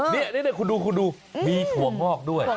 นี่คุณดูคุณดูมีถั่วงอกด้วย